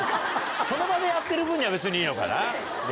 その場でやってる分には別にいいのかな？